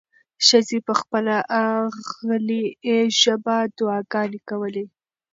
ښځې په خپله غلې ژبه دعاګانې کولې.